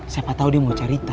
siapa tahu dia mau cerita